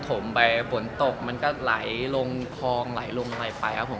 มไปฝนตกมันก็ไหลลงคลองไหลลงอะไรไปครับผม